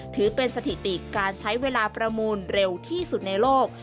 ถือเป็นสถิติการใช้เวลาประมูลเร็วที่สุดในโลก